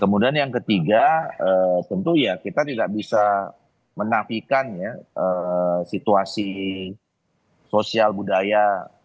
kemudian yang ketiga tentu ya kita tidak bisa menafikan ya situasi sosial budaya